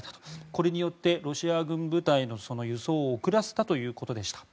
これによってロシア軍部隊の輸送を遅らせたということでした。